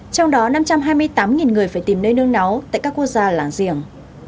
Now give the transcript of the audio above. trong đó năm trăm hai mươi tám người phải tìm nơi nướng náu tại các quốc gia làng riềng